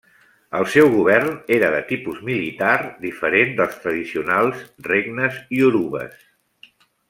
El seu govern era de tipus militar diferent dels tradicionals regnes iorubes.